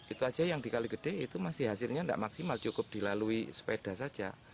itu saja yang dikali gede itu masih hasilnya tidak maksimal cukup dilalui sepeda saja